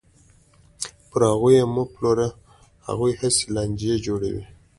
پر هغوی یې مه پلوره، هغوی هسې لانجې جوړوي.